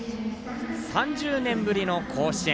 ３０年ぶりの甲子園。